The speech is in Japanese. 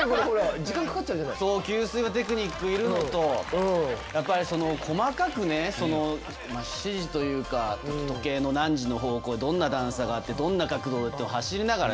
給水のテクニックがいるのとやっぱり、細かく指示というか時計の何時の方向にどんな段差があってどんな角度かって走りながら。